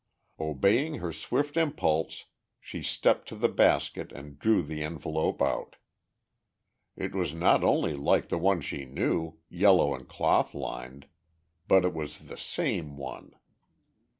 Obeying her swift impulse she stepped to the basket and drew the envelope out. It was not only like the one she knew, yellow and cloth lined, but it was the same one!